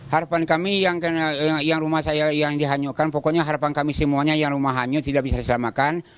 harapan kami yang rumah saya yang dihanyurkan pokoknya harapan kami semuanya yang rumah hanyut tidak bisa diselamatkan